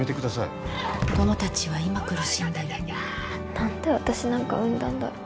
何で私なんか生んだんだろう。